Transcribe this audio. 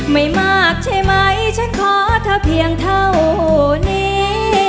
ไม่มากใช่ไหมฉันขอเธอเพียงเท่านี้